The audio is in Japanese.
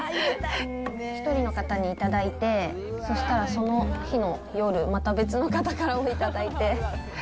１人の方に頂いて、そしたらその日の夜、また別の方からも頂いて。